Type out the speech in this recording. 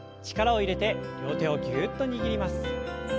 力を入れて両手をギュッと握ります。